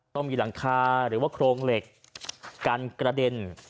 ต้องมีหลังคาหรือว่าโครงเหล็กกันกระเด็น